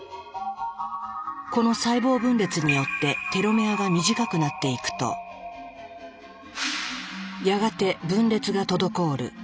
この細胞分裂によってテロメアが短くなっていくとやがて分裂が滞る。